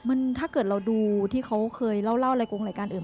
มันถ้าเกิดเราดูที่เขาเคยเล่าอะไรโกงรายการอื่น